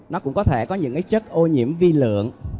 nó cũng có thể có những cái chất ô nhiễm vi lượng